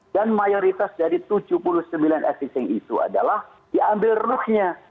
dan mayoritas dari tujuh puluh sembilan existing itu adalah diambil ruu nya